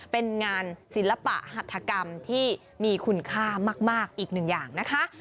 เป็นงานศิลปะหัฐกรรมที่มีคุณค่ามากอีกหนึ่งอย่างนะคะ